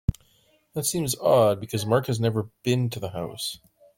That seems odd because Mark has never been to the house.